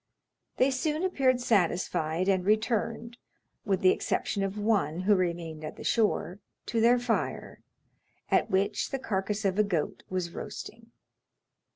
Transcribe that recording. They soon appeared satisfied and returned (with the exception of one, who remained at the shore) to their fire, at which the carcass of a goat was roasting.